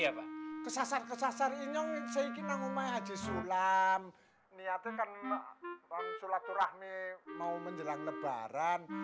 apa kesasar kesasar ini ngomong haji sulam niatkan rancu laturahmi mau menjelang lebaran